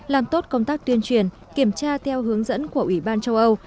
làm tốt công tác tuyên truyền kiểm tra theo hướng dẫn của ủy ban châu âu